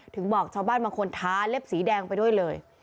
ถึงบอกชาวบ้านบางคนท้าเล็บสีแดงไปด้วยเลย